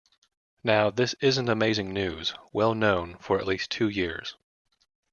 Now, this isn't amazing news, well-known for at least two years.